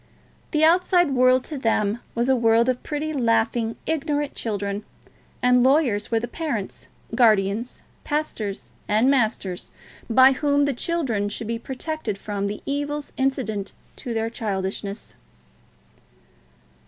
The outside world to them was a world of pretty, laughing, ignorant children; and lawyers were the parents, guardians, pastors, and masters by whom the children should be protected from the evils incident to their childishness.